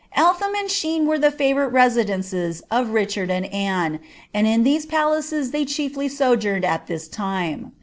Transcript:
Btliain and Sliene were Ihe favourite residences of Kichard and Ann% aud ill tlteae palaces they chieQy sojourned at tliia lime.